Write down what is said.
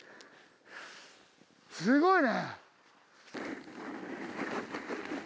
すごいね。